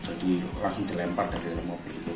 jadi langsung dilempar dari dalam mobil itu